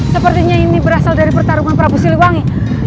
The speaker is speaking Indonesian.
sepertinya ini berasal dari pertarungan prabu siliwangi